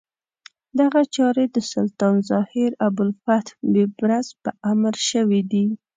دغه چارې د سلطان الظاهر ابوالفتح بیبرس په امر شوې دي.